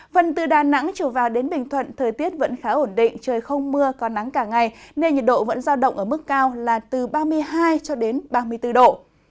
vần từ đà nẵng trở vào đến bình thuận thời tiết vẫn khá ổn định trời không mưa có nắng cả ngày nên nhiệt độ vẫn giao động ở mức cao là từ ba mươi hai ba mươi bốn độ